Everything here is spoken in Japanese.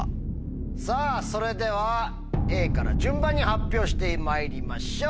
さぁそれではＡから順番に発表してまいりましょう。